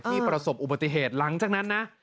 ประสบอุบัติเหตุหลังจากนั้นนะ